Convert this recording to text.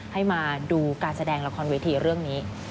ให้มาดูการแสดงละครเวทีเรื่องนี้